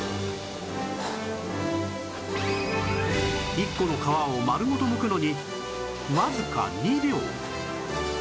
１個の皮を丸ごとむくのにわずか２秒